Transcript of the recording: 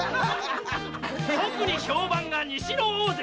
特に評判が西の大関！